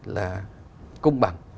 là công bằng